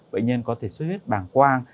bệnh nhân có thể xuất huyết bàng quang